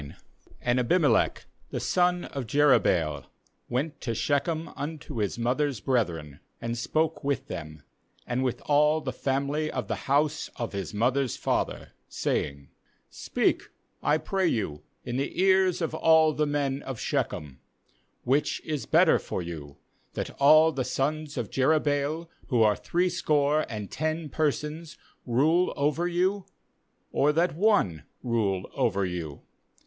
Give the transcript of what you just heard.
Q And Abimelech the son of Jerub baal went to Shechem unto his mother's brethren, and spoke with them, and with all the family of the house of his mother's father, saying: 2f Speak, I pray you, in the ears of all the men of Shechem : Which is better for you, that all the sons of Jerubbaal, who are threescore and ten persons, rule over you, or that one rule over you?